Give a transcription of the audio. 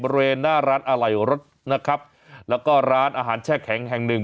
บริเวณหน้าร้านอะไหล่รถนะครับแล้วก็ร้านอาหารแช่แข็งแห่งหนึ่ง